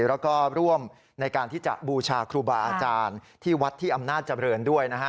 แล้วก็ร่วมในการที่จะบูชาครูบาอาจารย์ที่วัดที่อำนาจเจริญด้วยนะฮะ